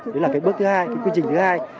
đấy là cái bước thứ hai cái quy trình thứ hai